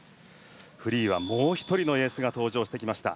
フリーはもう１人のエースが登場してきました。